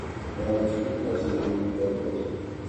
আবার কিছু দিন পর সেগুলো মৃত্যুবরণ করছে।